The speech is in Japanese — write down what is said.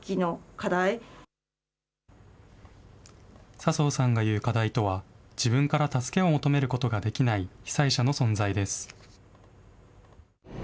笹生さんが言う課題とは、自分から助けを求めることができない被災者の存在です。